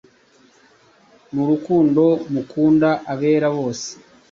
n’urukundo mukunda abera bose,